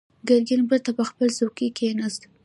ګرګين بېرته پر خپله څوکۍ کېناست.